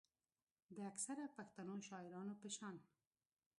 د اکثره پښتنو شاعرانو پۀ شان